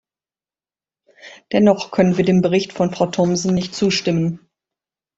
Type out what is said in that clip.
Dennoch können wir dem Bericht von Frau Thomsen nicht zustimmen.